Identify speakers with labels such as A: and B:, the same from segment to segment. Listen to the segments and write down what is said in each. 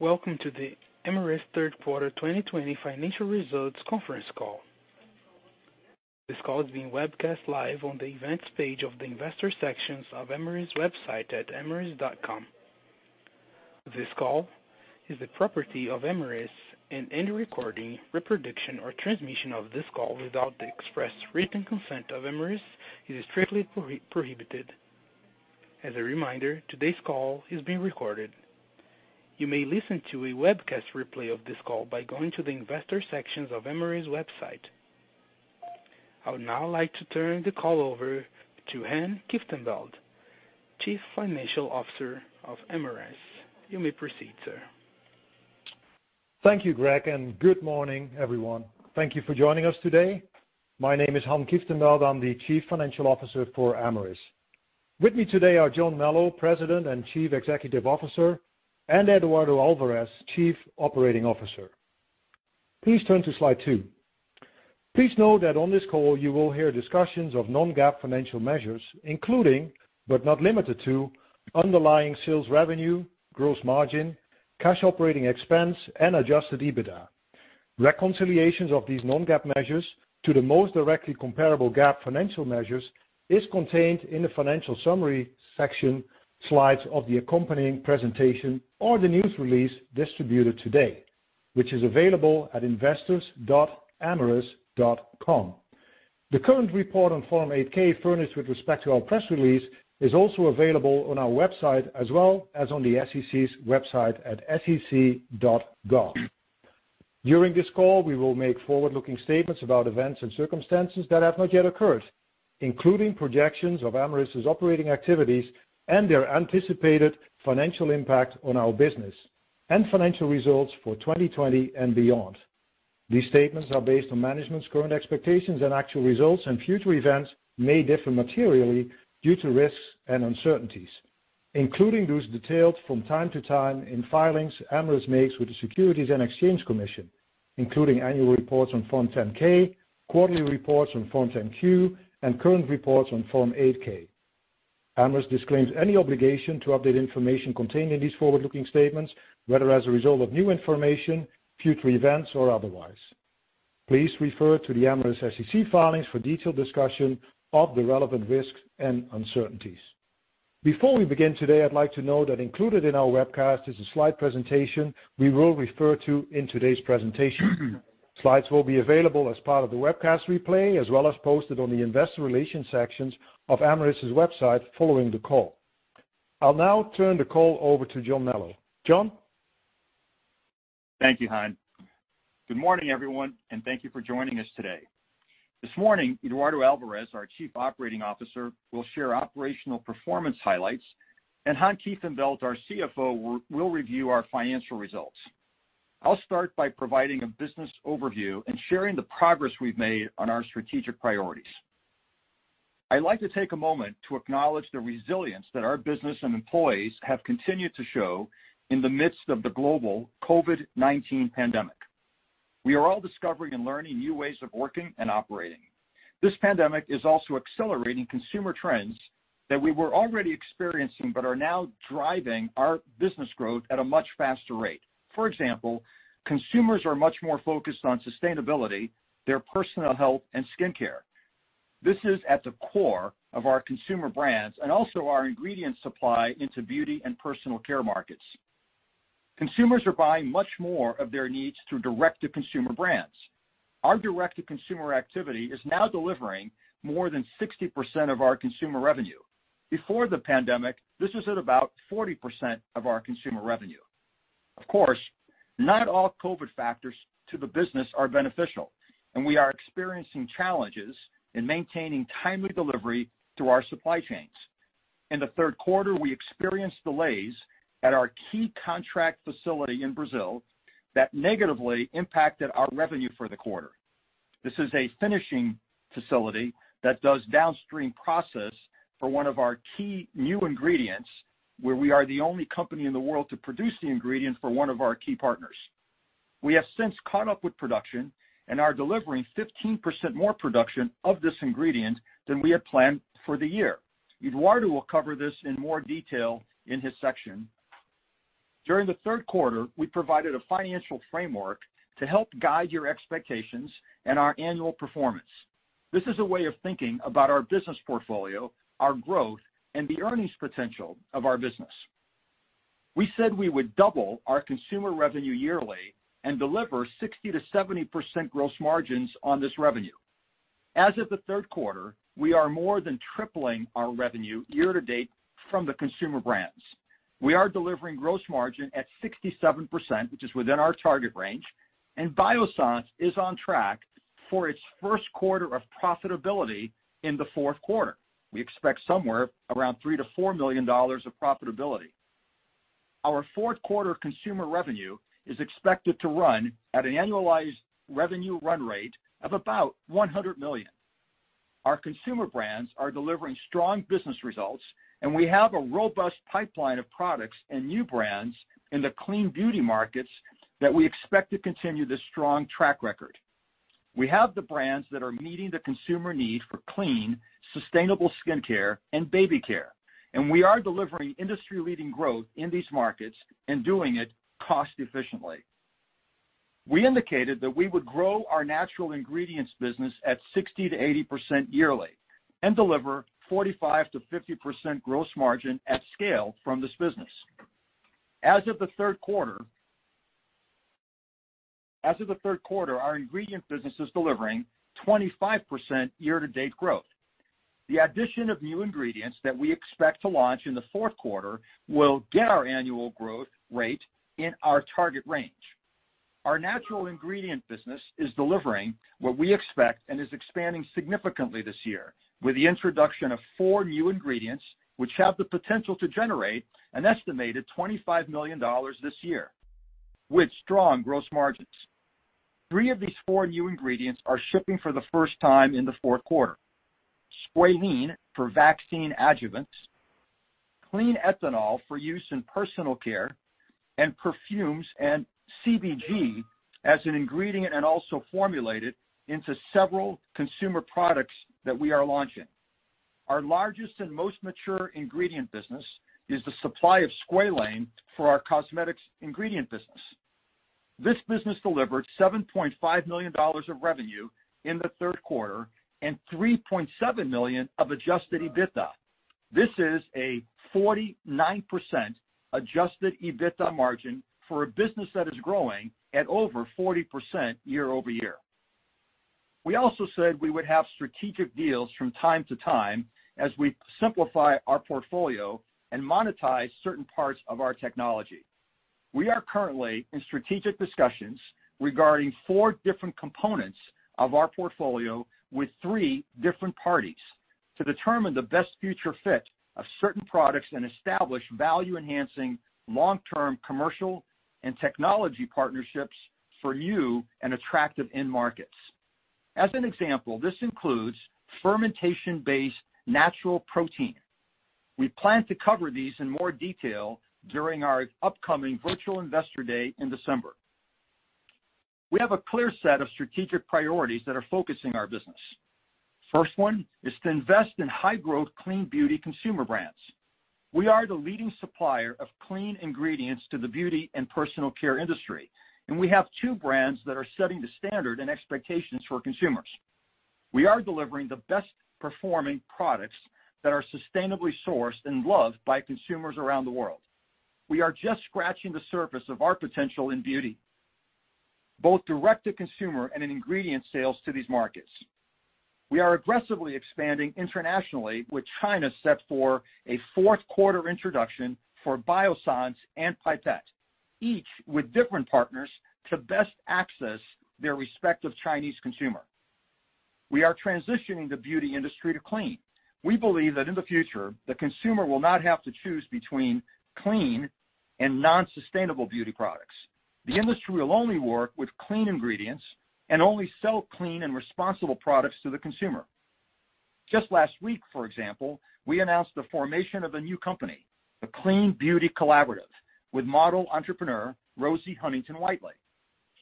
A: Welcome to the Amyris Third Quarter 2020 Financial Results Conference Call. This call is being webcast live on the events page of the investor sections of Amyris website at amyris.com. This call is the property of Amyris, and any recording, reproduction, or transmission of this call without the express written consent of Amyris is strictly prohibited. As a reminder, today's call is being recorded. You may listen to a webcast replay of this call by going to the Investor sections of Amyris website. I would now like to turn the call over to Han Kieftenbeld, Chief Financial Officer of Amyris. You may proceed, sir.
B: Thank you, Greg, and good morning, everyone. Thank you for joining us today. My name is Han Kieftenbeld. I'm the Chief Financial Officer for Amyris. With me today are John Melo, President and Chief Executive Officer, and Eduardo Alvarez, Chief Operating Officer. Please turn to slide two. Please note that on this call, you will hear discussions of non-GAAP financial measures, including, but not limited to, underlying sales revenue, gross margin, cash operating expense, and adjusted EBITDA. Reconciliations of these non-GAAP measures to the most directly comparable GAAP financial measures are contained in the financial summary section slides of the accompanying presentation or the news release distributed today, which is available at investors.amyris.com. The current report on Form 8-K, furnished with respect to our press release, is also available on our website as well as on the SEC's website at sec.gov. During this call, we will make forward-looking statements about events and circumstances that have not yet occurred, including projections of Amyris's operating activities and their anticipated financial impact on our business and financial results for 2020 and beyond. These statements are based on management's current expectations that actual results and future events may differ materially due to risks and uncertainties, including those detailed from time to time in filings Amyris makes with the Securities and Exchange Commission, including annual reports on Form 10-K, quarterly reports on Form 10-Q, and current reports on Form 8-K. Amyris disclaims any obligation to update information contained in these forward-looking statements, whether as a result of new information, future events, or otherwise. Please refer to the Amyris SEC filings for detailed discussion of the relevant risks and uncertainties. Before we begin today, I'd like to note that included in our webcast is a slide presentation we will refer to in today's presentation. Slides will be available as part of the webcast replay as well as posted on the Investor Relations sections of Amyris's website following the call. I'll now turn the call over to John Melo. John?
C: Thank you, Han. Good morning, everyone, and thank you for joining us today. This morning, Eduardo Alvarez, our Chief Operating Officer, will share operational performance highlights, and Han Kieftenbeld, our CFO, will review our financial results. I'll start by providing a business overview and sharing the progress we've made on our strategic priorities. I'd like to take a moment to acknowledge the resilience that our business and employees have continued to show in the midst of the global COVID-19 pandemic. We are all discovering and learning new ways of working and operating. This pandemic is also accelerating consumer trends that we were already experiencing but are now driving our business growth at a much faster rate. For example, consumers are much more focused on sustainability, their personal health, and skincare. This is at the core of our consumer brands and also our ingredients supply into beauty and personal care markets. Consumers are buying much more of their needs through direct-to-consumer brands. Our direct-to-consumer activity is now delivering more than 60% of our consumer revenue. Before the pandemic, this was at about 40% of our consumer revenue. Of course, not all COVID factors to the business are beneficial, and we are experiencing challenges in maintaining timely delivery through our supply chains. In the third quarter, we experienced delays at our key contract facility in Brazil that negatively impacted our revenue for the quarter. This is a finishing facility that does downstream process for one of our key new ingredients, where we are the only company in the world to produce the ingredient for one of our key partners. We have since caught up with production and are delivering 15% more production of this ingredient than we had planned for the year. Eduardo will cover this in more detail in his section. During the third quarter, we provided a financial framework to help guide your expectations and our annual performance. This is a way of thinking about our business portfolio, our growth, and the earnings potential of our business. We said we would double our consumer revenue yearly and deliver 60%-70% gross margins on this revenue. As of the third quarter, we are more than tripling our revenue year-to-date from the consumer brands. We are delivering gross margin at 67%, which is within our target range, and Biossance is on track for its first quarter of profitability in the fourth quarter. We expect somewhere around $3-$4 million of profitability. Our fourth quarter consumer revenue is expected to run at an annualized revenue run rate of about $100 million. Our consumer brands are delivering strong business results, and we have a robust pipeline of products and new brands in the clean beauty markets that we expect to continue this strong track record. We have the brands that are meeting the consumer need for clean, sustainable skincare and baby care, and we are delivering industry-leading growth in these markets and doing it cost-efficiently. We indicated that we would grow our natural ingredients business at 60%-80% yearly and deliver 45%-50% gross margin at scale from this business. As of the third quarter, our ingredient business is delivering 25% year-to-date growth. The addition of new ingredients that we expect to launch in the fourth quarter will get our annual growth rate in our target range. Our natural ingredient business is delivering what we expect and is expanding significantly this year with the introduction of four new ingredients, which have the potential to generate an estimated $25 million this year with strong gross margins. Three of these four new ingredients are shipping for the first time in the fourth quarter: Squalene for vaccine adjuvants, clean ethanol for use in personal care, and perfumes and CBG as an ingredient and also formulated into several consumer products that we are launching. Our largest and most mature ingredient business is the supply of squalene for our cosmetics ingredient business. This business delivered $7.5 million of revenue in the third quarter and $3.7 million of adjusted EBITDA. This is a 49% adjusted EBITDA margin for a business that is growing at over 40% year-over-year. We also said we would have strategic deals from time to time as we simplify our portfolio and monetize certain parts of our technology. We are currently in strategic discussions regarding four different components of our portfolio with three different parties to determine the best future fit of certain products and establish value-enhancing long-term commercial and technology partnerships for new and attractive end markets. As an example, this includes fermentation-based natural protein. We plan to cover these in more detail during our upcoming Virtual Investor Day in December. We have a clear set of strategic priorities that are focusing our business. First one is to invest in high-growth clean beauty consumer brands. We are the leading supplier of clean ingredients to the beauty and personal care industry, and we have two brands that are setting the standard and expectations for consumers. We are delivering the best-performing products that are sustainably sourced and loved by consumers around the world. We are just scratching the surface of our potential in beauty, both direct-to-consumer and in ingredient sales to these markets. We are aggressively expanding internationally, with China set for a fourth quarter introduction for Biossance and Pipette, each with different partners to best access their respective Chinese consumer. We are transitioning the beauty industry to clean. We believe that in the future, the consumer will not have to choose between clean and non-sustainable beauty products. The industry will only work with clean ingredients and only sell clean and responsible products to the consumer. Just last week, for example, we announced the formation of a new company, the Clean Beauty Collaborative, with model entrepreneur Rosie Huntington-Whiteley,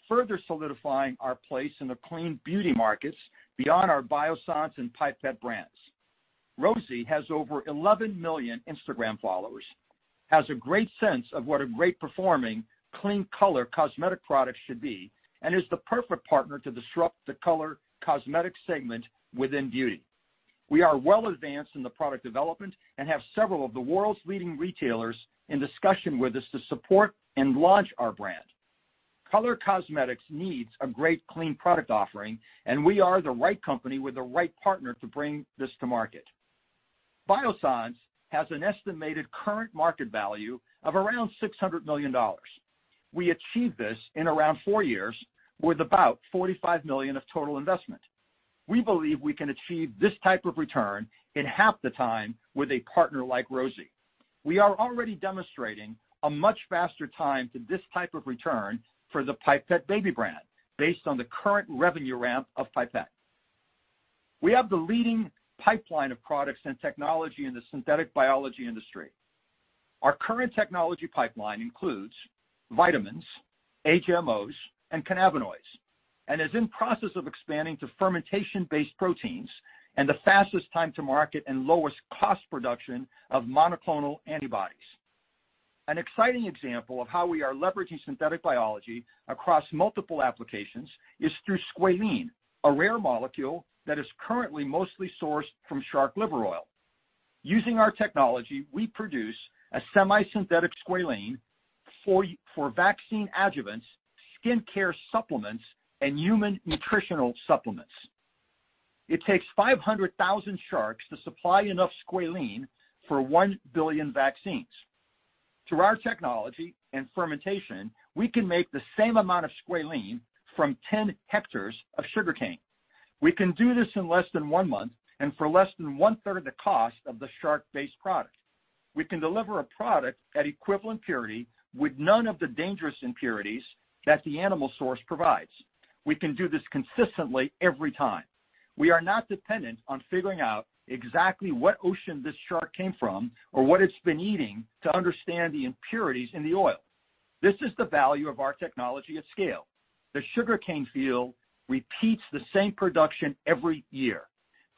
C: further solidifying our place in the clean beauty markets beyond our Biossance and Pipette brands. Rosie has over 11 million Instagram followers, has a great sense of what a great-performing clean color cosmetic product should be, and is the perfect partner to disrupt the color cosmetic segment within beauty. We are well advanced in the product development and have several of the world's leading retailers in discussion with us to support and launch our brand. Color cosmetics needs a great clean product offering, and we are the right company with the right partner to bring this to market. Biossance has an estimated current market value of around $600 million. We achieved this in around four years with about $45 million of total investment. We believe we can achieve this type of return in half the time with a partner like Rosie. We are already demonstrating a much faster time to this type of return for the Pipette baby brand based on the current revenue ramp of Pipette. We have the leading pipeline of products and technology in the synthetic biology industry. Our current technology pipeline includes vitamins, HMOs, and cannabinoids, and is in process of expanding to fermentation-based proteins and the fastest time to market and lowest cost production of monoclonal antibodies. An exciting example of how we are leveraging synthetic biology across multiple applications is through squalene, a rare molecule that is currently mostly sourced from shark liver oil. Using our technology, we produce a semi-synthetic squalene for vaccine adjuvants, skincare supplements, and human nutritional supplements. It takes 500,000 sharks to supply enough squalene for 1 billion vaccines. Through our technology and fermentation, we can make the same amount of squalene from 10 ha of sugarcane. We can do this in less than one month and for less than one-third of the cost of the shark-based product. We can deliver a product at equivalent purity with none of the dangerous impurities that the animal source provides. We can do this consistently every time. We are not dependent on figuring out exactly what ocean this shark came from or what it's been eating to understand the impurities in the oil. This is the value of our technology at scale. The sugarcane field repeats the same production every year.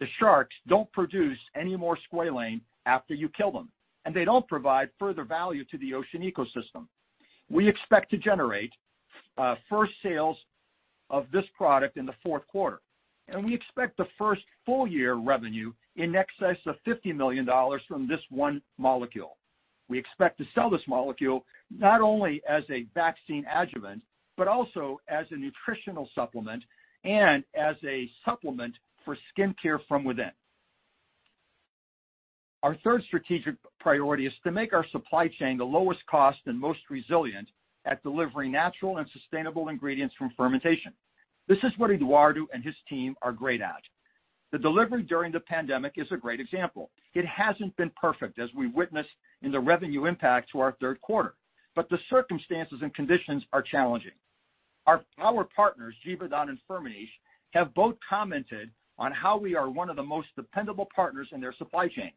C: The sharks don't produce any more squalene after you kill them, and they don't provide further value to the ocean ecosystem. We expect to generate first sales of this product in the fourth quarter, and we expect the first full-year revenue in excess of $50 million from this one molecule. We expect to sell this molecule not only as a vaccine adjuvant but also as a nutritional supplement and as a supplement for skincare from within. Our third strategic priority is to make our supply chain the lowest cost and most resilient at delivering natural and sustainable ingredients from fermentation. This is what Eduardo and his team are great at. The delivery during the pandemic is a great example. It hasn't been perfect, as we witnessed in the revenue impact to our third quarter, but the circumstances and conditions are challenging. Our partners, Givaudan and Firmenich, have both commented on how we are one of the most dependable partners in their supply chain.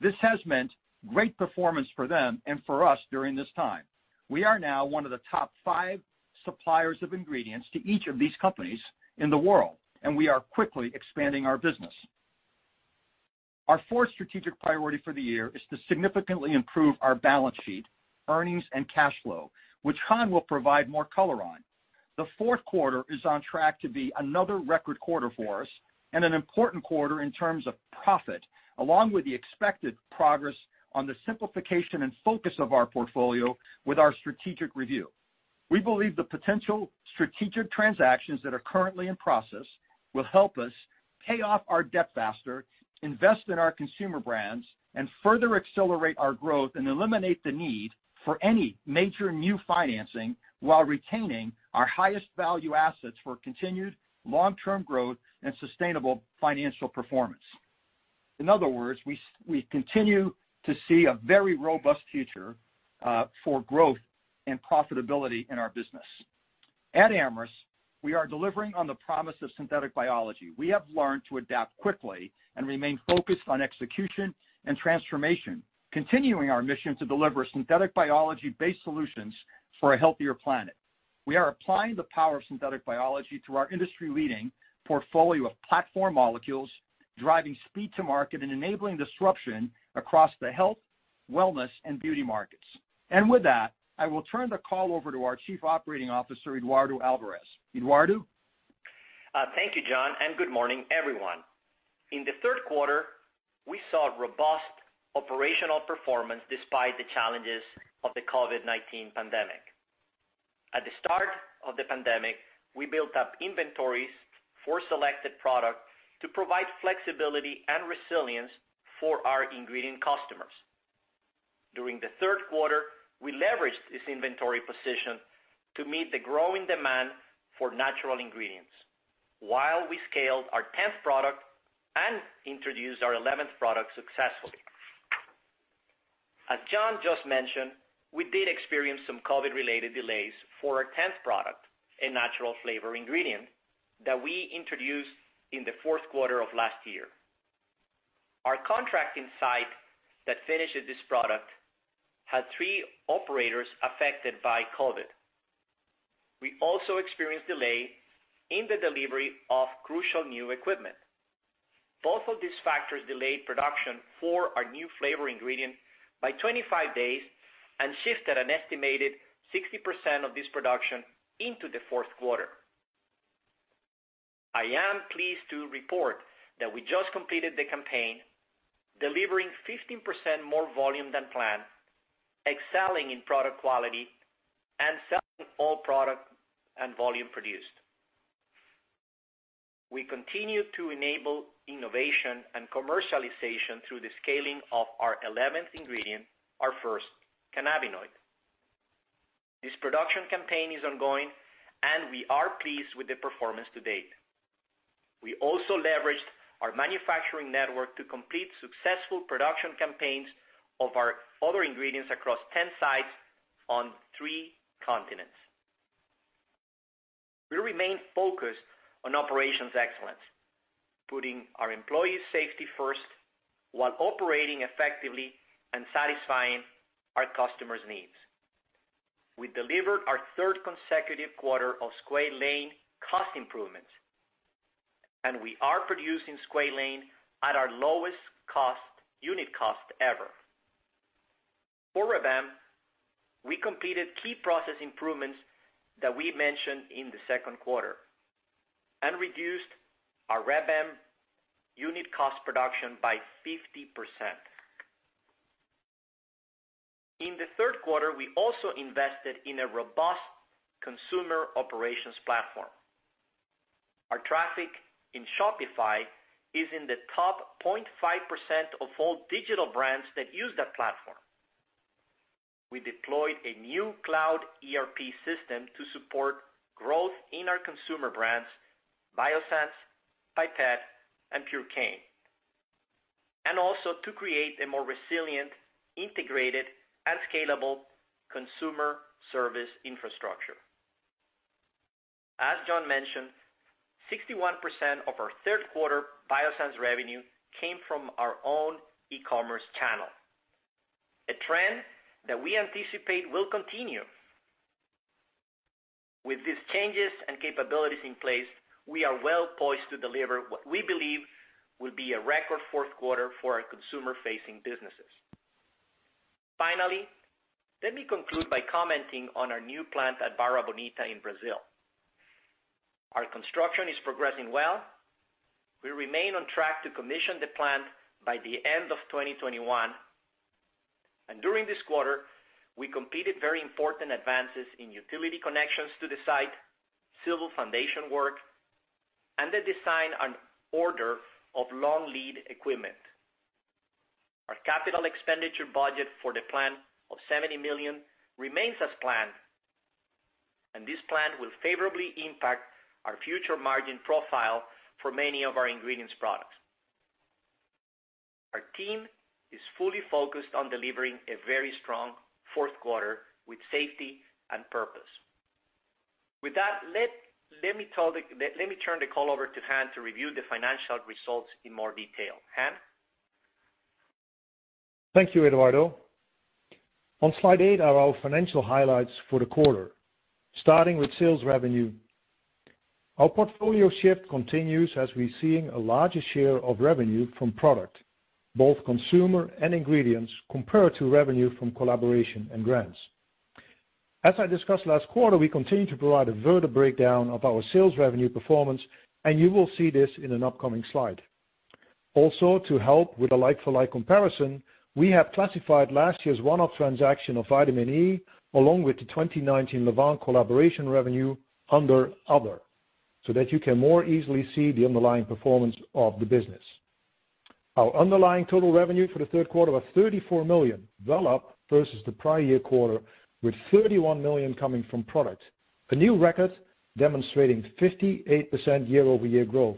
C: This has meant great performance for them and for us during this time. We are now one of the top five suppliers of ingredients to each of these companies in the world, and we are quickly expanding our business. Our fourth strategic priority for the year is to significantly improve our balance sheet, earnings, and cash flow, which Han will provide more color on. The fourth quarter is on track to be another record quarter for us and an important quarter in terms of profit, along with the expected progress on the simplification and focus of our portfolio with our strategic review. We believe the potential strategic transactions that are currently in process will help us pay off our debt faster, invest in our consumer brands, and further accelerate our growth and eliminate the need for any major new financing while retaining our highest value assets for continued long-term growth and sustainable financial performance. In other words, we continue to see a very robust future for growth and profitability in our business. At Amyris, we are delivering on the promise of synthetic biology. We have learned to adapt quickly and remain focused on execution and transformation, continuing our mission to deliver synthetic biology-based solutions for a healthier planet. We are applying the power of synthetic biology through our industry-leading portfolio of platform molecules, driving speed to market and enabling disruption across the health, wellness, and beauty markets. And with that, I will turn the call over to our Chief Operating Officer, Eduardo Alvarez. Eduardo?
D: Thank you, John, and good morning, everyone. In the third quarter, we saw robust operational performance despite the challenges of the COVID-19 pandemic. At the start of the pandemic, we built up inventories for selected products to provide flexibility and resilience for our ingredient customers. During the third quarter, we leveraged this inventory position to meet the growing demand for natural ingredients while we scaled our 10th product and introduced our 11th product successfully. As John just mentioned, we did experience some COVID-related delays for our 10th product, a natural flavor ingredient that we introduced in the fourth quarter of last year. Our contracting site that finished this product had three operators affected by COVID. We also experienced delay in the delivery of crucial new equipment. Both of these factors delayed production for our new flavor ingredient by 25 days and shifted an estimated 60% of this production into the fourth quarter. I am pleased to report that we just completed the campaign, delivering 15% more volume than planned, excelling in product quality, and selling all product and volume produced. We continue to enable innovation and commercialization through the scaling of our 11th ingredient, our first cannabinoid. This production campaign is ongoing, and we are pleased with the performance to date. We also leveraged our manufacturing network to complete successful production campaigns of our other ingredients across 10 sites on three continents. We remain focused on operations excellence, putting our employees' safety first while operating effectively and satisfying our customers' needs. We delivered our third consecutive quarter of squalene cost improvements, and we are producing squalene at our lowest unit cost ever. For Reb M, we completed key process improvements that we mentioned in the second quarter and reduced our Reb M unit cost production by 50%. In the third quarter, we also invested in a robust consumer operations platform. Our traffic in Shopify is in the top 0.5% of all digital brands that use that platform. We deployed a new cloud ERP system to support growth in our consumer brands, Biossance, Pipette, and Purecane, and also to create a more resilient, integrated, and scalable consumer service infrastructure. As John mentioned, 61% of our third quarter Biossance revenue came from our own e-commerce channel, a trend that we anticipate will continue. With these changes and capabilities in place, we are well poised to deliver what we believe will be a record fourth quarter for our consumer-facing businesses. Finally, let me conclude by commenting on our new plant at Barra Bonita in Brazil. Our construction is progressing well. We remain on track to commission the plant by the end of 2021. During this quarter, we completed very important advances in utility connections to the site, civil foundation work, and the design and order of long lead equipment. Our capital expenditure budget for the plant of $70 million remains as planned, and this plan will favorably impact our future margin profile for many of our ingredients products. Our team is fully focused on delivering a very strong fourth quarter with safety and purpose. With that, let me turn the call over to Han to review the financial results in more detail. Han?
B: Thank you, Eduardo. On slide eight are our financial highlights for the quarter, starting with sales revenue. Our portfolio shift continues as we're seeing a larger share of revenue from product, both consumer and ingredients, compared to revenue from collaboration and grants. As I discussed last quarter, we continue to provide a further breakdown of our sales revenue performance, and you will see this in an upcoming slide. Also, to help with a like-for-like comparison, we have classified last year's one-off transaction of vitamin E along with the 2019 Lavvan collaboration revenue under other, so that you can more easily see the underlying performance of the business. Our underlying total revenue for the third quarter was $34 million, well up versus the prior-year quarter, with $31 million coming from product, a new record demonstrating 58% year-over-year growth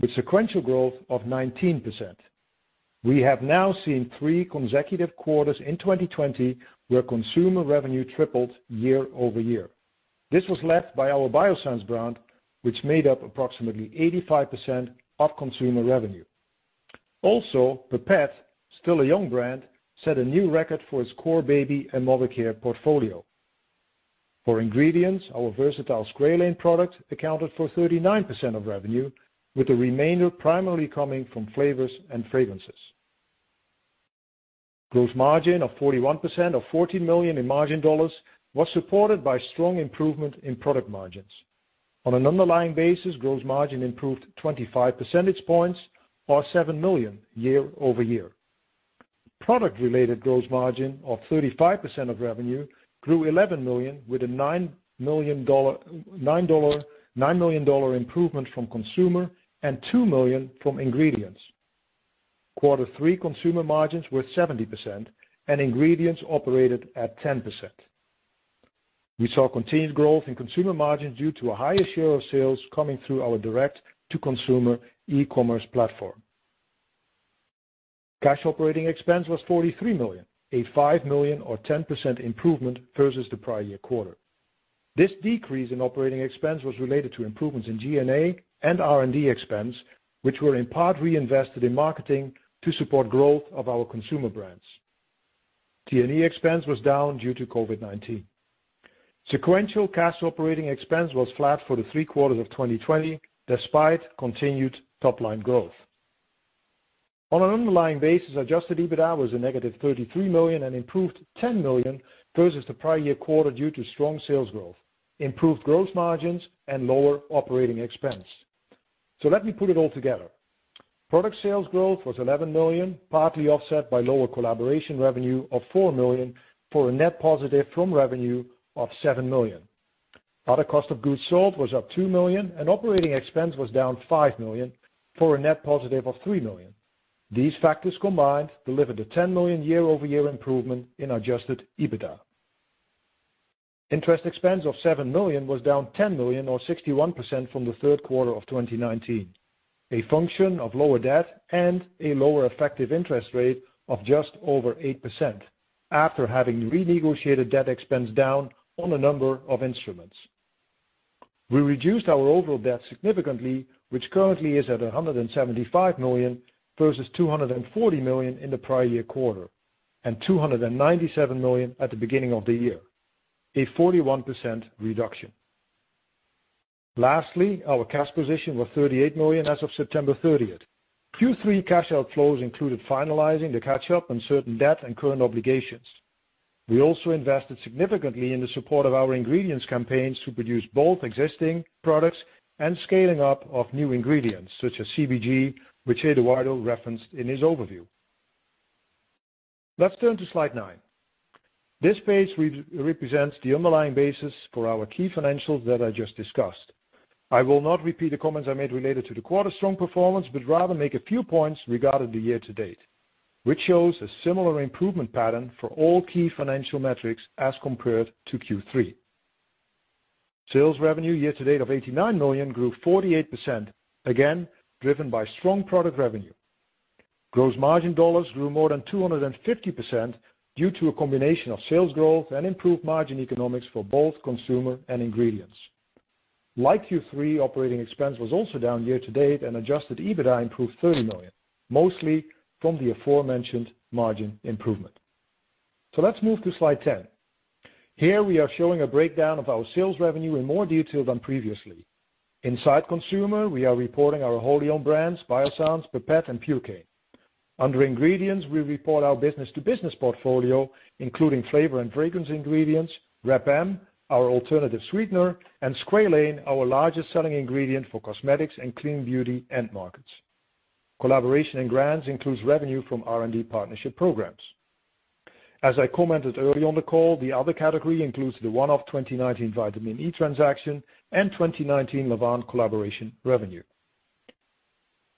B: with sequential growth of 19%. We have now seen three consecutive quarters in 2020 where consumer revenue tripled year-over-year. This was led by our Biossance brand, which made up approximately 85% of consumer revenue. Also, Pipette, still a young brand, set a new record for its core baby and mother care portfolio. For ingredients, our versatile squalene product accounted for 39% of revenue, with the remainder primarily coming from flavors and fragrances. Gross margin of 41% of $14 million in margin dollars was supported by strong improvement in product margins. On an underlying basis, gross margin improved 25 percentage points or $7 million year-over-year. Product-related gross margin of 35% of revenue grew $11 million with a $9 million improvement from consumer and $2 million from ingredients. Quarter three consumer margins were 70%, and ingredients operated at 10%. We saw continued growth in consumer margins due to a higher share of sales coming through our direct-to-consumer e-commerce platform. Cash operating expense was $43 million, a $5 million or 10% improvement versus the prior-year quarter. This decrease in operating expense was related to improvements in G&A and R&D expense, which were in part reinvested in marketing to support growth of our consumer brands. G&A expense was down due to COVID-19. Sequential cash operating expense was flat for the three quarters of 2020 despite continued top-line growth. On an underlying basis, Adjusted EBITDA was a negative $33 million and improved $10 million versus the prior-year quarter due to strong sales growth, improved gross margins, and lower operating expense. So let me put it all together. Product sales growth was $11 million, partly offset by lower collaboration revenue of $4 million for a net positive from revenue of $7 million. Product cost of goods sold was up $2 million, and operating expense was down $5 million for a net positive of $3 million. These factors combined delivered a $10 million year-over-year improvement in Adjusted EBITDA. Interest expense of $7 million was down $10 million or 61% from the third quarter of 2019, a function of lower debt and a lower effective interest rate of just over 8% after having renegotiated debt expense down on a number of instruments. We reduced our overall debt significantly, which currently is at $175 million versus $240 million in the prior-year quarter and $297 million at the beginning of the year, a 41% reduction. Lastly, our cash position was $38 million as of September 30th. Q3 cash outflows included finalizing the catch-up on certain debt and current obligations. We also invested significantly in the support of our ingredients campaigns to produce both existing products and scaling up of new ingredients such as CBG, which Eduardo referenced in his overview. Let's turn to slide nine. This page represents the underlying basis for our key financials that I just discussed. I will not repeat the comments I made related to the quarter's strong performance, but rather make a few points regarding the year-to-date, which shows a similar improvement pattern for all key financial metrics as compared to Q3. Sales revenue year-to-date of $89 million grew 48%, again driven by strong product revenue. Gross margin dollars grew more than 250% due to a combination of sales growth and improved margin economics for both consumer and ingredients. Like Q3, operating expense was also down year-to-date, and adjusted EBITDA improved $30 million, mostly from the aforementioned margin improvement. So let's move to slide 10. Here we are showing a breakdown of our sales revenue in more detail than previously. Inside consumer, we are reporting our wholly owned brands, Biossance, Pipette, and Purecane. Under ingredients, we report our business-to-business portfolio, including flavor and fragrance ingredients, Reb M, our alternative sweetener, and squalene, our largest selling ingredient for cosmetics and clean beauty end markets. Collaboration and grants include revenue from R&D partnership programs. As I commented earlier on the call, the other category includes the one-off 2019 vitamin E transaction and 2019 Lavvan collaboration revenue.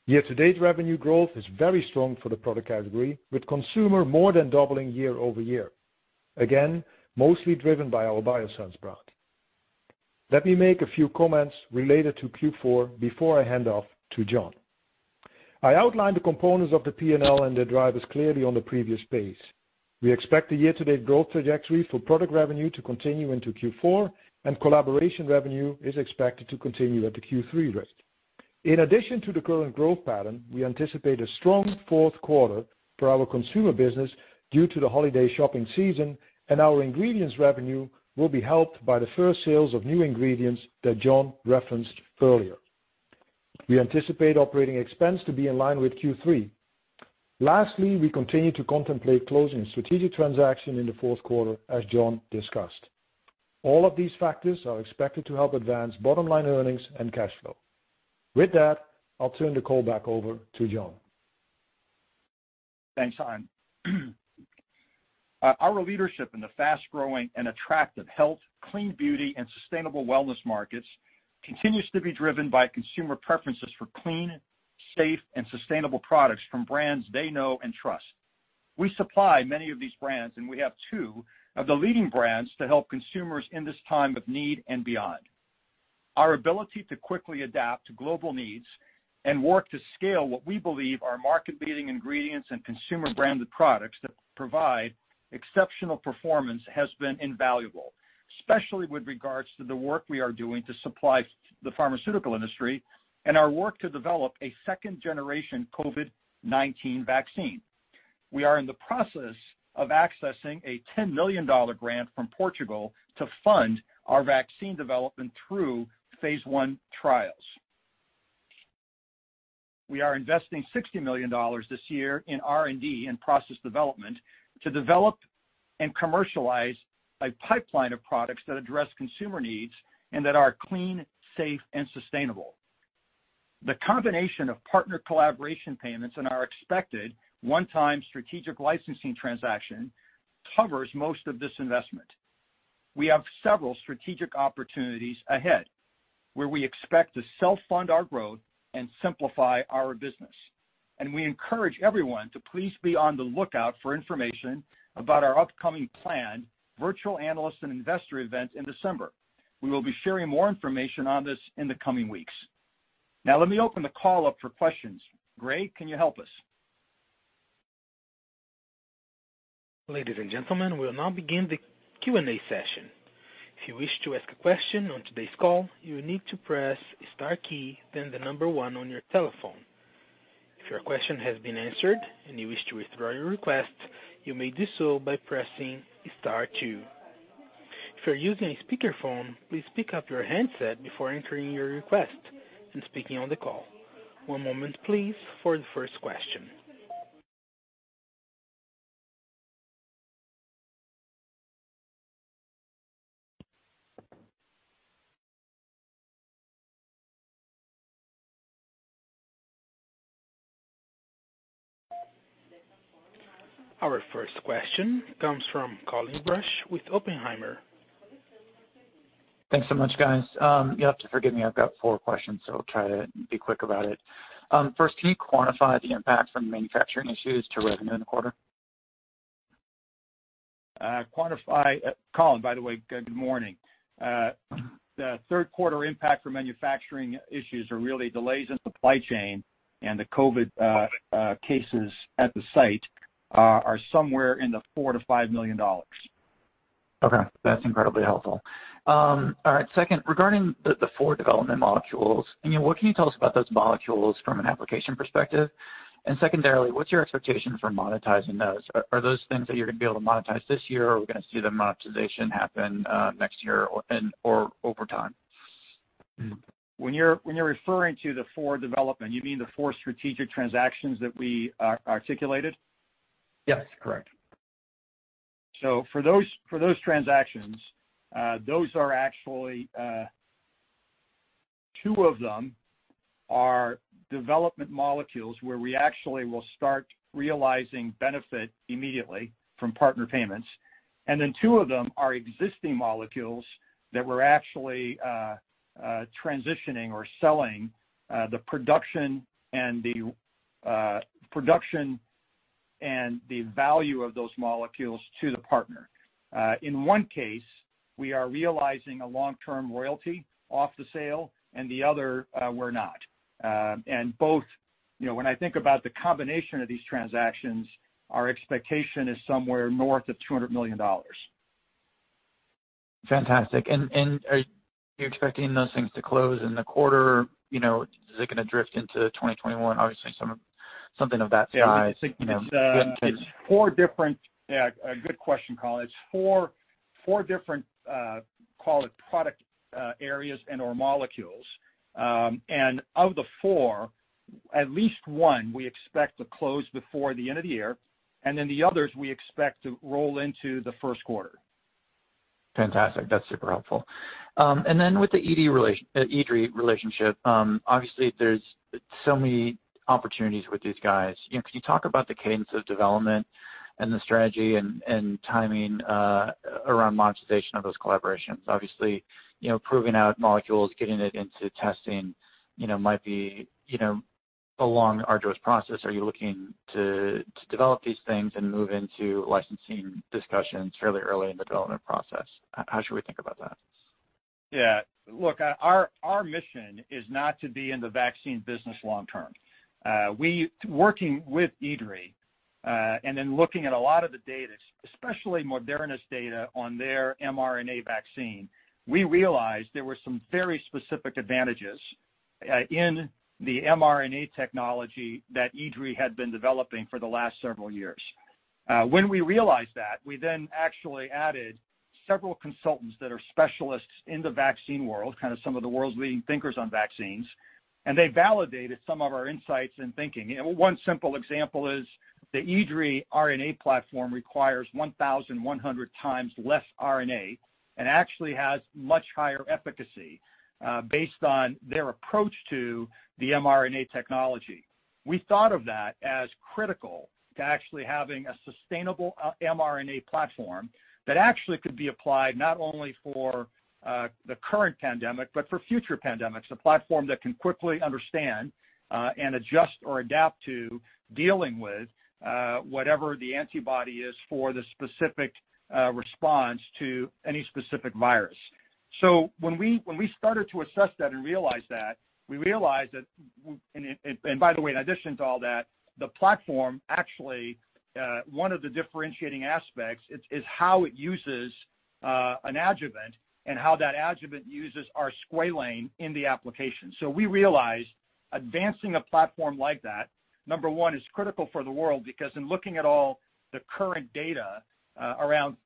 B: Year-to-date revenue growth is very strong for the product category, with consumer more than doubling year-over-year, again mostly driven by our Biossance brand. Let me make a few comments related to Q4 before I hand off to John. I outlined the components of the P&L and the drivers clearly on the previous page. We expect the year-to-date growth trajectory for product revenue to continue into Q4, and collaboration revenue is expected to continue at the Q3 rate. In addition to the current growth pattern, we anticipate a strong fourth quarter for our consumer business due to the holiday shopping season, and our ingredients revenue will be helped by the first sales of new ingredients that John referenced earlier. We anticipate operating expense to be in line with Q3. Lastly, we continue to contemplate closing a strategic transaction in the fourth quarter, as John discussed. All of these factors are expected to help advance bottom-line earnings and cash flow. With that, I'll turn the call back over to John.
C: Thanks, Han. Our leadership in the fast-growing and attractive health, clean beauty, and sustainable wellness markets continues to be driven by consumer preferences for clean, safe, and sustainable products from brands they know and trust. We supply many of these brands, and we have two of the leading brands to help consumers in this time of need and beyond. Our ability to quickly adapt to global needs and work to scale what we believe are market-leading ingredients and consumer-branded products that provide exceptional performance has been invaluable, especially with regards to the work we are doing to supply the pharmaceutical industry and our work to develop a second-generation COVID-19 vaccine. We are in the process of accessing a $10 million grant from Portugal to fund our vaccine development through phase I trials. We are investing $60 million this year in R&D and process development to develop and commercialize a pipeline of products that address consumer needs and that are clean, safe, and sustainable. The combination of partner collaboration payments and our expected one-time strategic licensing transaction covers most of this investment. We have several strategic opportunities ahead where we expect to self-fund our growth and simplify our business. We encourage everyone to please be on the lookout for information about our upcoming planned Virtual Analyst and Investor event in December. We will be sharing more information on this in the coming weeks. Now, let me open the call up for questions. Greg, can you help us?
A: Ladies and gentlemen, we'll now begin the Q&A session. If you wish to ask a question on today's call, you will need to press the star key, then the number one on your telephone. If your question has been answered and you wish to withdraw your request, you may do so by pressing star two. If you're using a speakerphone, please pick up your handset before entering your request and speaking on the call. One moment, please, for the first question. Our first question comes from Colin Rusch with Oppenheimer.
E: Thanks so much, guys. You'll have to forgive me. I've got four questions, so I'll try to be quick about it. First, can you quantify the impact from manufacturing issues to revenue in the quarter?
C: Colin, by the way, good morning. The third quarter impact for manufacturing issues are really delays in supply chain and the COVID cases at the site are somewhere in the $4 million-$5 million.
E: Okay. That's incredibly helpful. All right. Second, regarding the four development modules, what can you tell us about those molecules from an application perspective? And secondarily, what's your expectation for monetizing those? Are those things that you're going to be able to monetize this year, or are we going to see the monetization happen next year or over time?
C: When you're referring to the four development, you mean the four strategic transactions that we articulated?
E: Yes, correct.
C: So, for those transactions, those are actually two of them are development molecules where we actually will start realizing benefit immediately from partner payments. And then two of them are existing molecules that we're actually transitioning or selling the production and the value of those molecules to the partner. In one case, we are realizing a long-term royalty off the sale, and the other, we're not. And both, when I think about the combination of these transactions, our expectation is somewhere north of $200 million.
E: Fantastic. And are you expecting those things to close in the quarter? Is it going to drift into 2021? Obviously, something of that size.
C: Yeah. It's four different. Good question, Colin. It's four different product areas and/or molecules. And of the four, at least one we expect to close before the end of the year, and then the others we expect to roll into the first quarter.
E: Fantastic. That's super helpful. And then with the IDRI relationship, obviously, there's so many opportunities with these guys. Can you talk about the cadence of development and the strategy and timing around monetization of those collaborations? Obviously, proving out molecules, getting it into testing might be a long, arduous process. Are you looking to develop these things and move into licensing discussions fairly early in the development process? How should we think about that?
C: Yeah. Look, our mission is not to be in the vaccine business long-term. Working with IDRI and then looking at a lot of the data, especially Moderna's data on their mRNA vaccine, we realized there were some very specific advantages in the mRNA technology that IDRI had been developing for the last several years. When we realized that, we then actually added several consultants that are specialists in the vaccine world, kind of some of the world's leading thinkers on vaccines, and they validated some of our insights and thinking. One simple example is the IDRI RNA platform requires 1,100x less RNA and actually has much higher efficacy based on their approach to the mRNA technology. We thought of that as critical to actually having a sustainable mRNA platform that actually could be applied not only for the current pandemic but for future pandemics, a platform that can quickly understand and adjust or adapt to dealing with whatever the antibody is for the specific response to any specific virus. So when we started to assess that and realize that, we realized that, and by the way, in addition to all that, the platform actually, one of the differentiating aspects is how it uses an adjuvant and how that adjuvant uses our squalane in the application. So we realized advancing a platform like that, number one, is critical for the world because in looking at all the current data around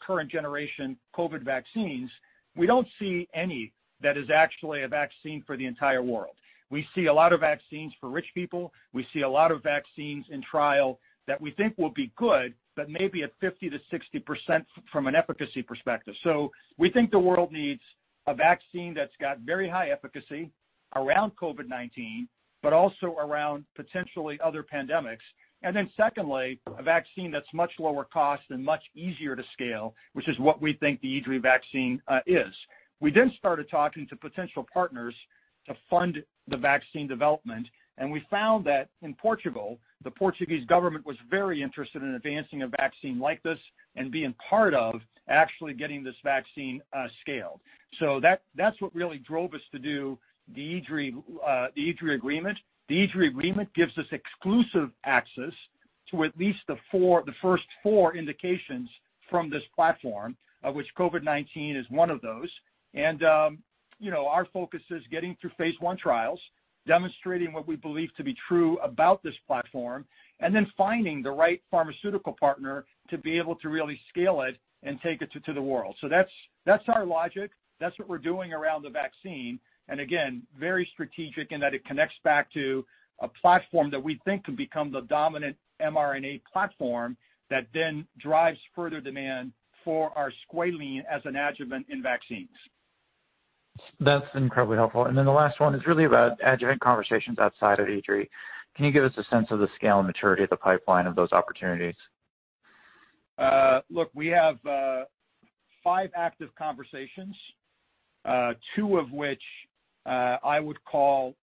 C: current-generation COVID vaccines, we don't see any that is actually a vaccine for the entire world. We see a lot of vaccines for rich people. We see a lot of vaccines in trial that we think will be good, but maybe at 50%-60% from an efficacy perspective. So we think the world needs a vaccine that's got very high efficacy around COVID-19, but also around potentially other pandemics. And then secondly, a vaccine that's much lower cost and much easier to scale, which is what we think the IDRI vaccine is. We then started talking to potential partners to fund the vaccine development, and we found that in Portugal, the Portuguese government was very interested in advancing a vaccine like this and being part of actually getting this vaccine scaled. So that's what really drove us to do the IDRI agreement. The IDRI agreement gives us exclusive access to at least the first four indications from this platform, of which COVID-19 is one of those. Our focus is getting through phase I trials, demonstrating what we believe to be true about this platform, and then finding the right pharmaceutical partner to be able to really scale it and take it to the world. So that's our logic. That's what we're doing around the vaccine. And again, very strategic in that it connects back to a platform that we think can become the dominant mRNA platform that then drives further demand for our squalane as an adjuvant in vaccines.
E: That's incredibly helpful. And then the last one is really about adjuvant conversations outside of IDRI. Can you give us a sense of the scale and maturity of the pipeline of those opportunities?
C: Look, we have five active conversations, two of which I would call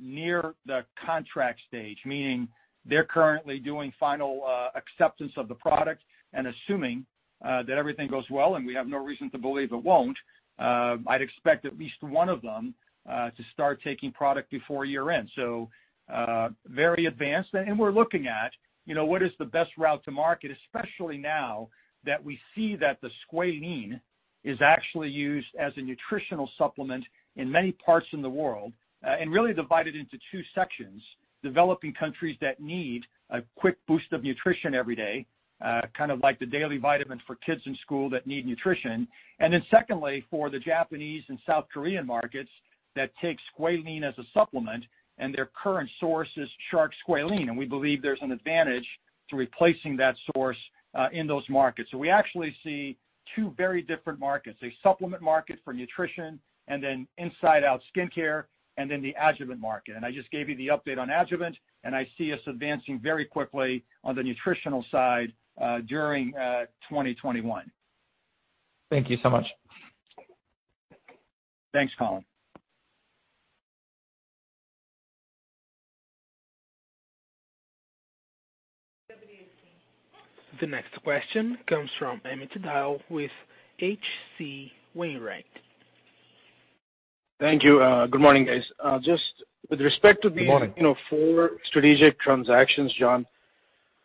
C: near the contract stage, meaning they're currently doing final acceptance of the product. Assuming that everything goes well and we have no reason to believe it won't, I'd expect at least one of them to start taking product before year-end. Very advanced. We're looking at what is the best route to market, especially now that we see that the squalane is actually used as a nutritional supplement in many parts in the world, and really divided into two sections: developing countries that need a quick boost of nutrition every day, kind of like the daily vitamins for kids in school that need nutrition. Secondly, for the Japanese and South Korean markets that take squalane as a supplement, and their current source is shark squalene. We believe there's an advantage to replacing that source in those markets. So we actually see two very different markets: a supplement market for nutrition and then inside-out skincare, and then the adjuvant market. And I just gave you the update on adjuvant, and I see us advancing very quickly on the nutritional side during 2021.
E: Thank you so much.
C: Thanks, Colin.
A: The next question comes from Amit Dayal with H.C. Wainwright.
F: Thank you. Good morning, guys. Just with respect to the four strategic transactions, John,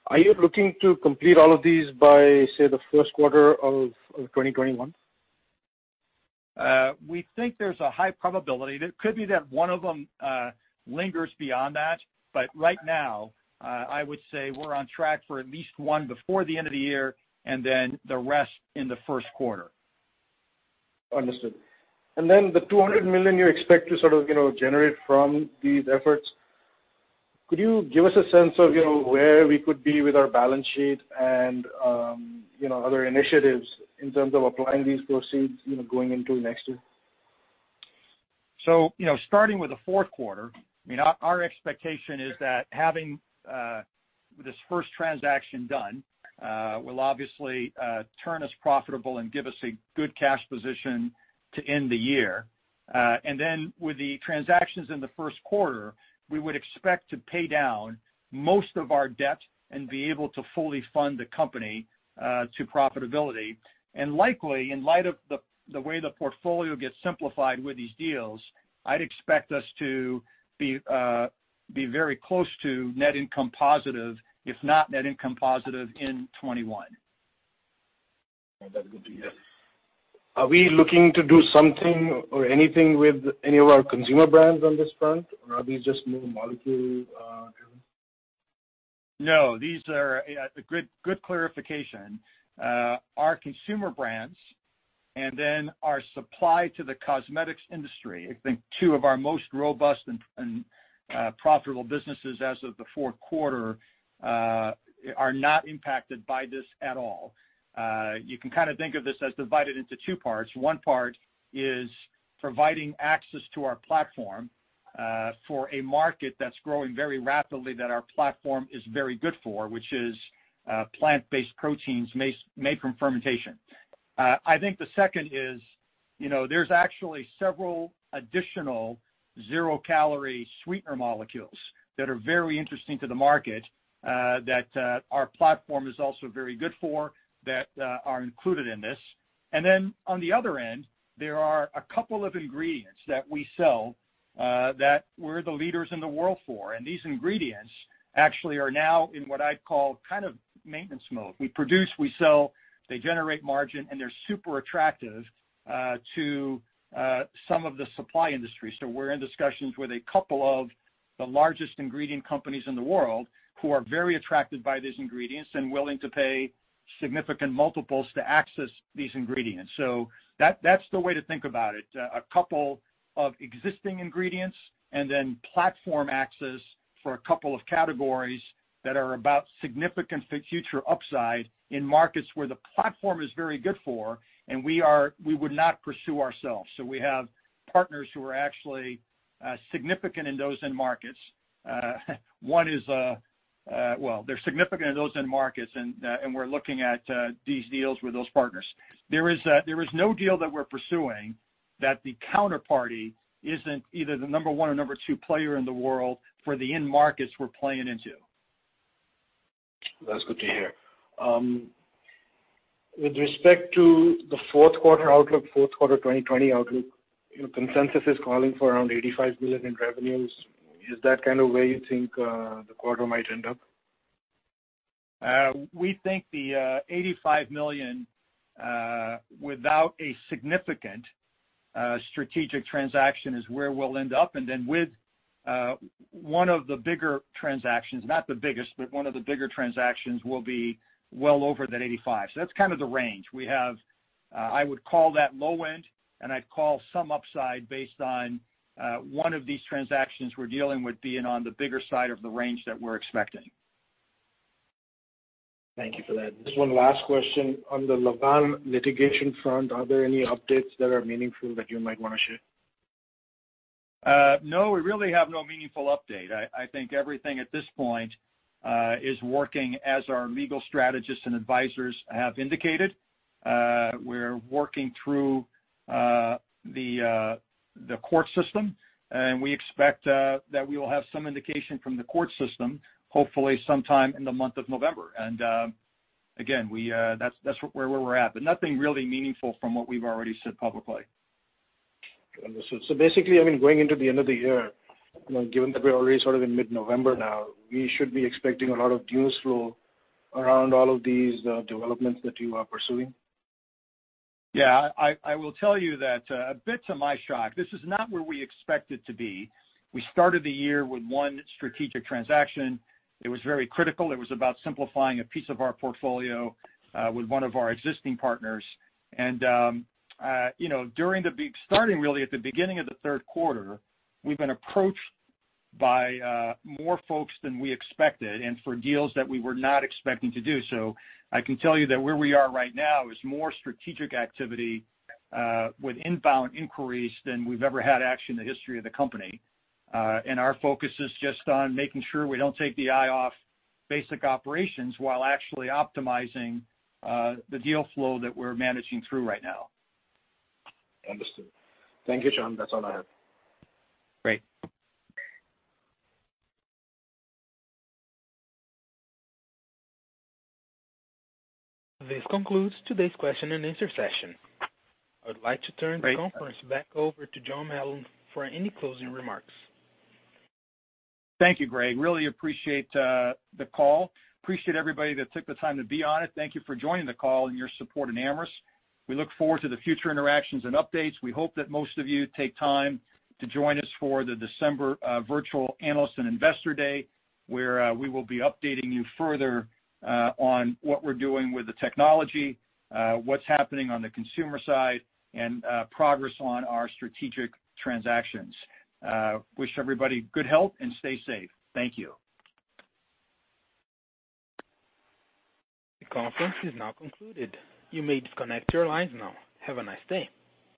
F: are you looking to complete all of these by, say, the first quarter of 2021?
C: We think there's a high probability. It could be that one of them lingers beyond that. But right now, I would say we're on track for at least one before the end of the year and then the rest in the first quarter.
F: Understood. And then the $200 million you expect to sort of generate from these efforts, could you give us a sense of where we could be with our balance sheet and other initiatives in terms of applying these proceeds going into next year?
C: So starting with the fourth quarter, our expectation is that having this first transaction done will obviously turn us profitable and give us a good cash position to end the year. And then with the transactions in the first quarter, we would expect to pay down most of our debt and be able to fully fund the company to profitability. And likely, in light of the way the portfolio gets simplified with these deals, I'd expect us to be very close to net income positive, if not net income positive, in 2021.
F: That's good to hear. Are we looking to do something or anything with any of our consumer brands on this front, or are these just more molecule-driven?
C: No, these are a good clarification. Our consumer brands and then our supply to the cosmetics industry, I think two of our most robust and profitable businesses as of the fourth quarter, are not impacted by this at all. You can kind of think of this as divided into two parts. One part is providing access to our platform for a market that's growing very rapidly that our platform is very good for, which is plant-based proteins made from fermentation. I think the second is there's actually several additional zero-calorie sweetener molecules that are very interesting to the market that our platform is also very good for that are included in this. Then on the other end, there are a couple of ingredients that we sell that we're the leaders in the world for. These ingredients actually are now in what I'd call kind of maintenance mode. We produce, we sell, they generate margin, and they're super attractive to some of the supply industry. So we're in discussions with a couple of the largest ingredient companies in the world who are very attracted by these ingredients and willing to pay significant multiples to access these ingredients. So that's the way to think about it. A couple of existing ingredients and then platform access for a couple of categories that are about significant future upside in markets where the platform is very good for, and we would not pursue ourselves. So we have partners who are actually significant in those end markets. One is, well, they're significant in those end markets, and we're looking at these deals with those partners. There is no deal that we're pursuing that the counterparty isn't either the number one or number two player in the world for the end markets we're playing into.
F: That's good to hear. With respect to the fourth quarter outlook, fourth quarter 2020 outlook, consensus is calling for around $85 million in revenues. Is that kind of where you think the quarter might end up?
C: We think the $85 million without a significant strategic transaction is where we'll end up. And then with one of the bigger transactions, not the biggest, but one of the bigger transactions will be well over that $85. So that's kind of the range. I would call that low end, and I'd call some upside based on one of these transactions we're dealing with being on the bigger side of the range that we're expecting.
F: Thank you for that. Just one last question. On the Lavvan litigation front, are there any updates that are meaningful that you might want to share?
C: No, we really have no meaningful update. I think everything at this point is working as our legal strategists and advisors have indicated. We're working through the court system, and we expect that we will have some indication from the court system, hopefully sometime in the month of November. And again, that's where we're at. But nothing really meaningful from what we've already said publicly.
F: Understood. So basically, I mean, going into the end of the year, given that we're already sort of in mid-November now, we should be expecting a lot of news flow around all of these developments that you are pursuing?
C: Yeah. I will tell you that, a bit to my shock, this is not where we expected to be. We started the year with one strategic transaction. It was very critical. It was about simplifying a piece of our portfolio with one of our existing partners. And during the starting, really at the beginning of the third quarter, we've been approached by more folks than we expected and for deals that we were not expecting to do. So I can tell you that where we are right now is more strategic activity with inbound inquiries than we've ever had actually in the history of the company. And our focus is just on making sure we don't take the eye off basic operations while actually optimizing the deal flow that we're managing through right now.
F: Understood. Thank you, John. That's all I have.
C: Great.
A: This concludes today's question-and-answer session. I would like to turn the conference back over to John Melo for any closing remarks.
C: Thank you, Greg. Really appreciate the call. Appreciate everybody that took the time to be on it. Thank you for joining the call and your support in Amyris. We look forward to the future interactions and updates. We hope that most of you take time to join us for the December Virtual Analyst and Investor Day, where we will be updating you further on what we're doing with the technology, what's happening on the consumer side, and progress on our strategic transactions. Wish everybody good health and stay safe. Thank you.
A: The conference is now concluded. You may disconnect your lines now. Have a nice day.